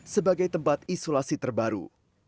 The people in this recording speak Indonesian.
sebagai tempat isolasi terbaru